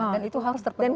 dan katanya korban diperiksa